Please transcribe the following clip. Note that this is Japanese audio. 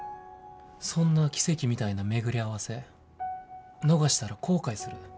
そんな奇跡みたいな巡り合わせ逃したら後悔する。